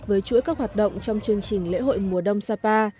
với chuỗi các hoạt động trong chương trình lễ hội mùa đông sapa